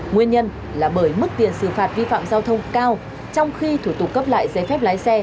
nguyên nhân là bởi mức tiền xử phạt vi phạm giao thông cao trong khi thủ tục cấp lại giấy phép lái xe